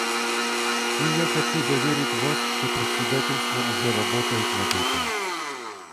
И я хочу заверить вас, что председательство уже работает над этим.